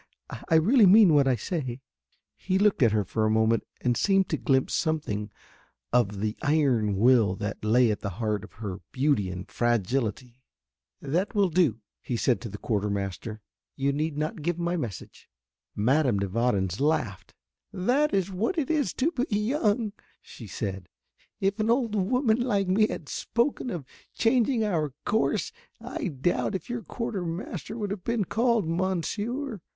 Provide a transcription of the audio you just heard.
I really mean what I say." He looked at her for a moment and seemed to glimpse something of the iron will that lay at the heart of her beauty and fragility. "That will do," said he to the quarter master. "You need not give my message." Madame de Warens laughed. "That is what it is to be young," said she, "if an old woman like me had spoken of changing our course I doubt if your quarter master would have been called, Monsieur.